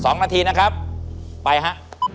๒นาทีนะครับไปค่ะ